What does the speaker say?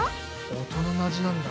大人の味なんだ。